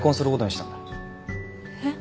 えっ？